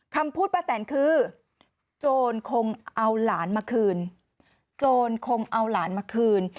คำพูดป้าแตนคือโจรคงเอาหลานมาคืน